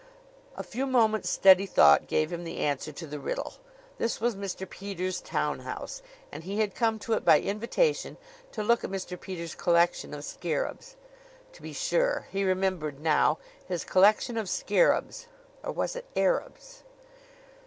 A few moments' steady thought gave him the answer to the riddle. This was Mr. Peters' town house, and he had come to it by invitation to look at Mr. Peters' collection of scarabs. To be sure! He remembered now his collection of scarabs. Or was it Arabs?